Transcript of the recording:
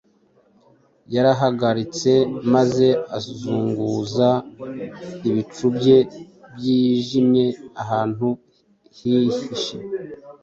Yarahagaritse, maze azunguza ibicu bye byijimye ahantu hihishe.